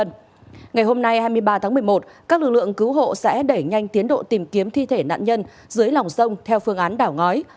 ngày hôm nay hai mươi ba tháng một mươi một các lực lượng cứu hộ sẽ đẩy nhanh tiến độ tìm kiếm thi thể nạn nhân dưới lòng sông theo phương án đảo ngói